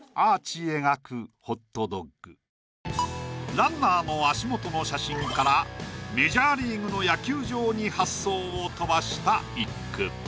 ランナーの足元の写真からメジャーリーグの野球場に発想を飛ばした一句。